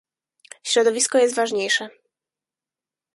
Środowisko jest ważniejsze